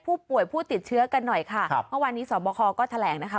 ผู้ป่วยผู้ติดเชื้อกันหน่อยค่ะครับเมื่อวานนี้สอบคอก็แถลงนะคะ